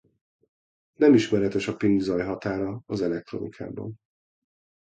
Nem ismeretes a pink zaj határa az elektronikában.